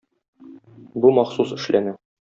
Бу махсус эшләнә.